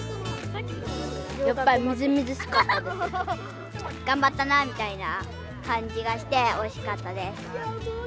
やっぱりみずみずしかったで頑張ったなみたいな感じがして、おいしかったです。